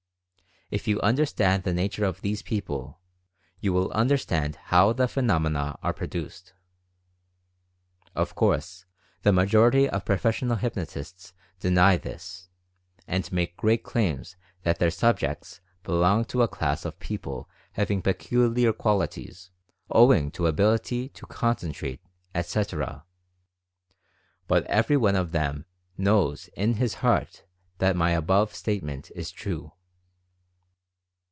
If you understand the nature of these people, you will understand how the phenomena are produced. Of course the majority of professional hypnotists deny this, and make great claims that their "subjects" be long to a class of people having peculiar qualities owing to ability to concentrate, etc., but every one of Phenomena of Induced Imagination 135 them knows in his heart that my above statement is true.